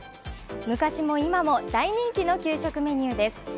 昔も今も大人気の給食メニューです。